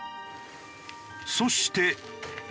そして。